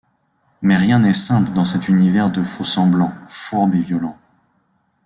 Mais rien n’est simple dans cet univers de faux-semblants, fourbe et violent.